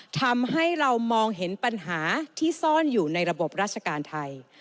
ทำให้เรามองเห็นปัญหาที่ซ่อนอยู่ในระบบราชการไทย